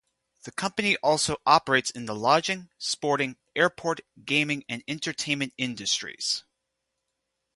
The company also operates in the lodging, sporting, airport, gaming and entertainment industries.